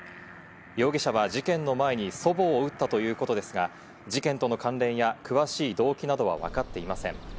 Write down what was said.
容疑者は事件の前に祖母を撃ったということですが、事件との関連や詳しい動機などは分かっていません。